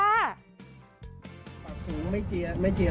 ไม่เจียรอดด้วย